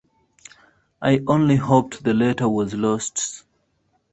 I only hoped the letter was lost.